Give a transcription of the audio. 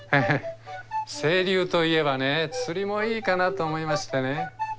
清流といえばね釣りもいいかなと思いましてね。